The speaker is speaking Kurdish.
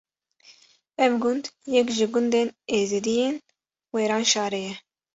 Ev gund yek ji gundên êzîdiyên Wêranşarê ye.